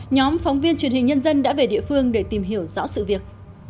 nhóm phóng viên truyền hình nhân dân đã về địa phương để tìm hiểu rõ sự việc